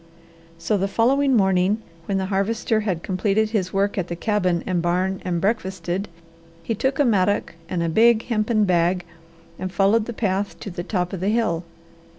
So the following morning, when the Harvester had completed his work at the cabin and barn and breakfasted, he took a mattock and a big hempen bag, and followed the path to the top of the hill.